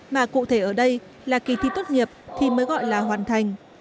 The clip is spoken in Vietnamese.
mà cụ thể ở đây là kỳ thi tốt nghiệp thì mới gọi là hoàn thành